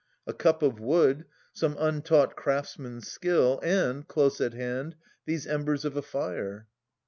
a cup of wood, some untaught craftsman's skill. And, close at hand, these embers of a fire.